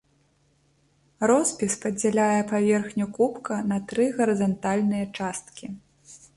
Роспіс падзяляе паверхню кубка на тры гарызантальныя часткі.